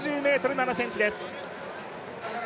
８０ｍ７ｃｍです。